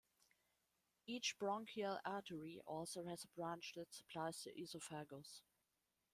Each bronchial artery also has a branch that supplies the esophagus.